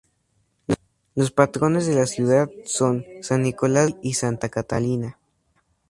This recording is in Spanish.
Los patrones de la ciudad son San Nicolás de Bari y Santa Catalina.